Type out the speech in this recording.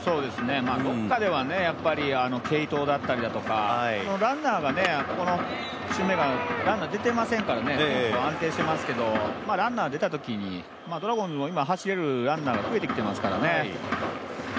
どこかでは継投だったりとかランナーが出てませんから安定していますけどランナー出たときに、ドラゴンズも今、走れるランナーが増えてきてますからね。